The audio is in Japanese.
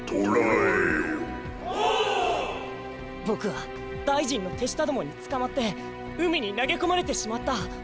ボクは大臣のてしたどもにつかまってうみになげこまれてしまった。